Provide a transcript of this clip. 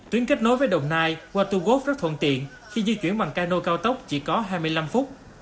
tuyến kết nối với đồng nai qua tù gốc rất thuận tiện khi di chuyển bằng cano cao tốc chỉ có hai mươi năm phút